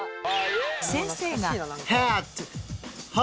先生が。